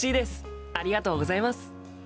ありがとうございます。